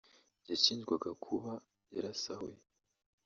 yashinjwaga kuba yarasahuye